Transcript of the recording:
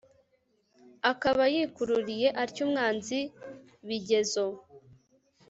akaba yikururiye atyo umwanzi bigezo